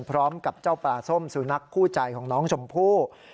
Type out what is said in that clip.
พร้อมกับเจ้าปลาส้มสุนัขคู่ใจของน้องชมพู่